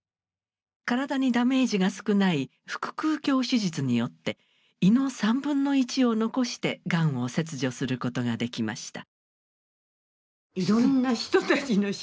体にダメージが少ない腹腔鏡手術によって胃の３分の１を残してがんを切除することができました。